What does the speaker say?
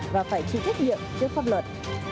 và phải chịu trách nhiệm trước pháp luật